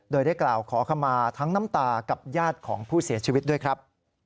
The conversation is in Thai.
โดยได้กล่าวขอขมาทั้งน้ำตากับญาติของผู้เสียชีวิตด้วยครับ